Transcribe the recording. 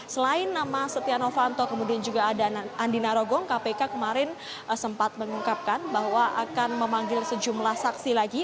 selain nama setia novanto kemudian juga ada andi narogong kpk kemarin sempat mengungkapkan bahwa akan memanggil sejumlah saksi lagi